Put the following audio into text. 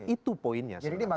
itu poinnya sebenarnya